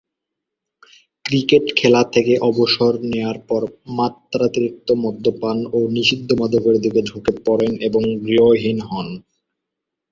Cricket খেলা থেকে অবসর নেয়ার পর মাত্রাতিরিক্ত মদ্যপান ও নিষিদ্ধ মাদকের দিকে ঝুঁকে পড়েন এবং গৃহহীন হন।